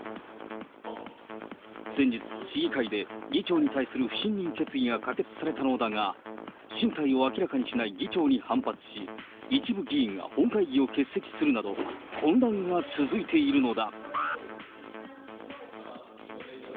先日、市議会で議長に対する不信任決議が可決されたのだが、進退を明らかにしない議長に反発し、一部議員が本会議を欠席するなど、混乱が続いているのだ。